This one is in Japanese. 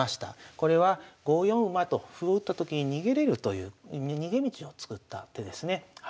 これは５四馬と歩を打ったときに逃げれるという逃げ道を作った手ですね。